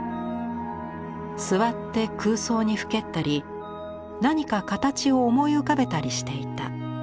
「座って空想にふけったり何か形を思い浮かべたりしていた」。